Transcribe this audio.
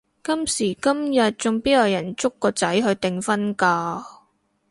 今時今日仲邊有人捉個仔去訂婚㗎？